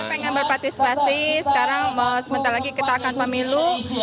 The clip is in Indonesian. pengen berpartisipasi sekarang sebentar lagi kita akan pemilu